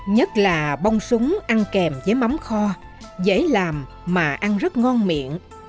nhất là bông súng ăn kèm với mắm kho dễ làm mà ăn rất ngon miệng